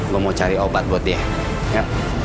gue mau cari obat buat dia